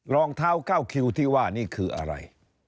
รองเท้า๙คิวที่ว่านี่คืออะไร